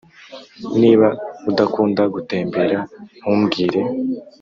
niba udakunda gutembera, ntumbwire.